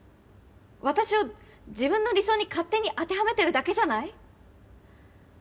私を自分の理想に勝手に当てはめてるだけじゃない！？